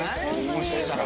もしかしたら。